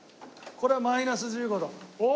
ここはマイナス１５度なの？